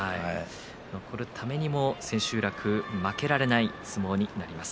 残るためにも千秋楽負けられない相撲になります。